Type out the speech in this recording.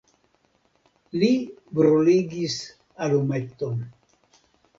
Li bruligis alumeton.